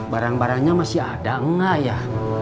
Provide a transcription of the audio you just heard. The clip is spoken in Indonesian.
barang barangnya masih ada enggak ya